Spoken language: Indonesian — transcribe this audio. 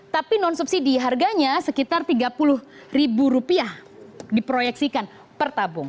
tapi non subsidi harganya sekitar tiga puluh ribu rupiah diproyeksikan per tabung